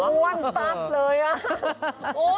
อ้วนปั๊บเลยอ่ะ